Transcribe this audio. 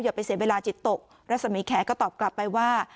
ไปเสียเวลาจิตตกรัศมีแขก็ตอบกลับไปว่า